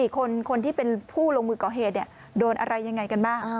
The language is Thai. คนที่เป็นผู้ลงมือก่อเหตุโดนอะไรยังไงกันบ้าง